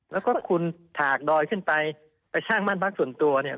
แล้วก็คุณถากดอยขึ้นไปไปสร้างบ้านพักส่วนตัวเนี่ย